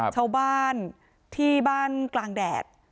ชาวบ้านที่บ้านกลางแดด